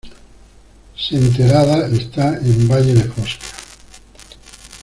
Senterada está en Valle de Fosca.